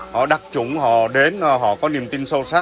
họ đặc trụng họ đến họ có niềm tin sâu sắc